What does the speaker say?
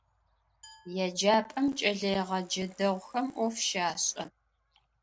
Еджапӏэм кӏэлэегъэджэ дэгъухэм ӏоф щашӏэ.